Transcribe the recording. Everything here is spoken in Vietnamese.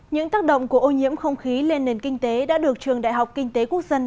những tác động của ô nhiễm không khí lên nền kinh tế đã được trường đại học kinh tế quốc dân